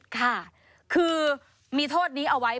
ค่ะคือมีโทษนี้เอาไว้